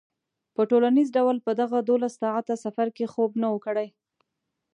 په ټولیز ډول په دغه دولس ساعته سفر کې خوب نه و کړی.